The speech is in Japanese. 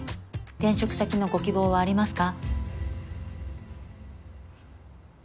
転職先のご希望はありますか？